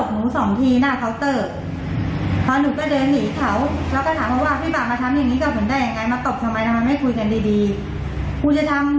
กูจะทำทำไมหลายครั้งแล้วนะแล้วหนูก็เดินออกไป